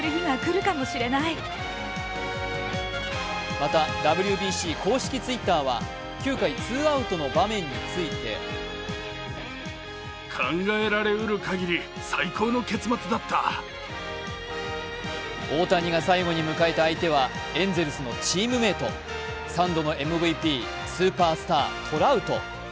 またＷＢＣ公式Ｔｗｉｔｔｅｒは９回、ツーアウトの場面について大谷が最後に迎えた相手は、エンゼルスのチームメイト３度のＭＶＰスーパースター・トラウト。